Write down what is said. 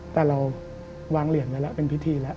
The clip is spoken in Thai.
แต่เราวางเหรียญไว้แล้วเป็นพิธีแล้ว